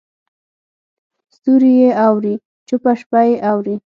ستوري یې اوري چوپه شپه یې اوري